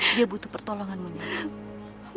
dia butuh pertolonganmu nyai